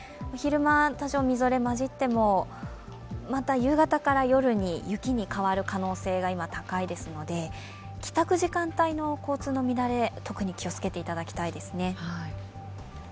昼間、多少みぞれがまじっても、夕方から夜に雪に変わる可能性が今、高いですので、帰宅時間帯の交通の乱れ、特に気をつけていただきたいですね。